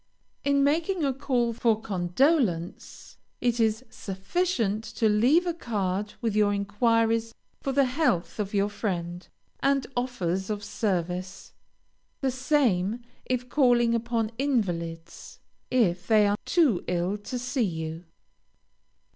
In making a call for condolence, it is sufficient to leave a card with your enquiries for the health of your friend, and offers of service. The same if calling upon invalids, if they are too ill to see you.